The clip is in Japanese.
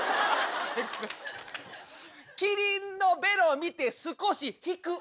キリンのベロ見て少し引く。